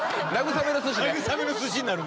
慰めの寿司になるんで。